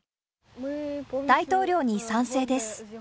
大統領に賛成です。